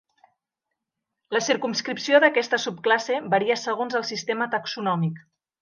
La circumscripció d'aquesta subclasse varia segons el sistema taxonòmic.